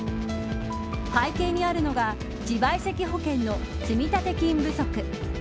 背景にあるのが自賠責保険の積立金不足。